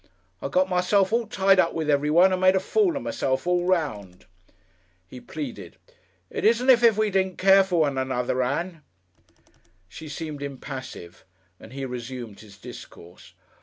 I got myself all tied up with everyone and made a fool of myself all around...." He pleaded, "It isn't as if we didn't care for one another, Ann." She seemed impassive and he resumed his discourse.